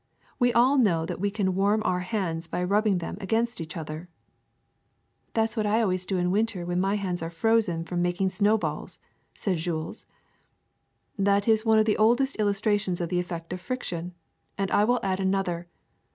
We all know that we can warm our hands by rubbing them against each other. '' ^'That's what T alwaj^s do in winter when my hands are frozen from making snowballs," said Jules. *^That is one of the oldest illustrations of the effect of friction, and I will add another.